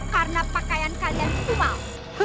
karena pakaian kalian kumal